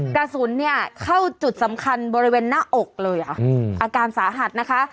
กระสุนเนี่ยเข้าจุดสำคัญบริเวณหน้าอกเลยอ่ะอาการสาหัสนะคะ